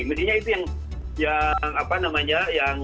mungkin itu yang yang apa namanya